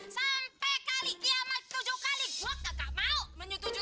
sampai kali kiamat tujuh kali gua kagak mau menyetujui